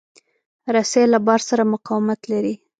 رسۍ له بار سره مقاومت لري.